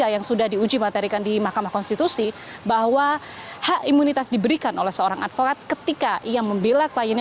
yang sudah diuji materikan di mahkamah konstitusi bahwa hak imunitas diberikan oleh seorang advokat ketika ia membela kliennya